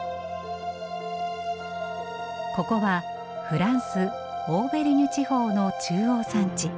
ここはフランス・オーベルニュ地方の中央山地。